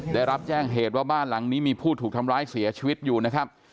ได้รับแจ้งเหตุว่าบ้านหลังนี้มีผู้ถูกทำร้ายเสียชีวิตอยู่นะครับ